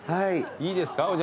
いいですか？